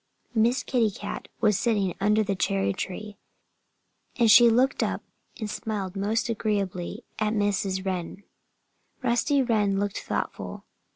Miss Kitty Cat was sitting under the cherry tree. And she looked up and smiled most agreeably at Mrs. Wren. Rusty Wren looked thoughtful.